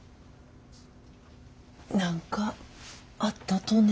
何かあったとね？